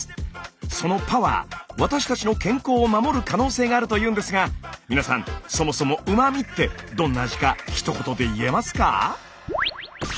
そのパワー私たちの健康を守る可能性があるというんですが皆さんそもそも「うま味」ってどんな味かひと言で言えますか？